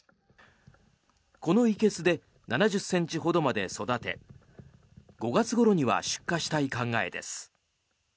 このいけすで７０ｃｍほどまで育て５月ごろには出荷したい考えです。